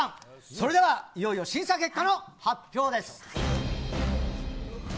それではいよいよ審査結果の発表です。